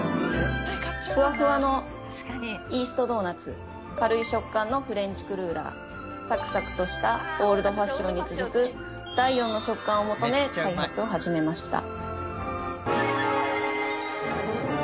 フワフワのイーストドーナツ軽い食感のフレンチクルーラーサクサクとしたオールドファッションに続く第４の食感を求め開発を始めました。